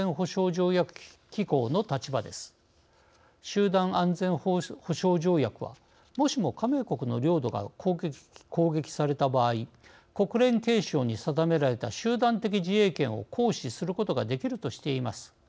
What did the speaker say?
集団安全保障条約はもしも加盟国の領土が攻撃された場合国連憲章に定められた集団的自衛権を行使することができるとしています。